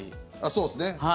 そうですね。